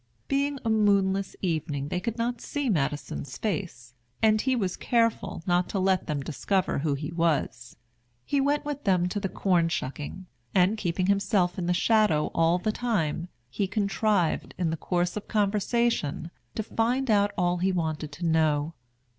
Being a moonless evening, they could not see Madison's face, and he was careful not to let them discover who he was. He went with them to the corn shucking; and, keeping himself in the shadow all the time, he contrived, in the course of conversation, to find out all he wanted to know.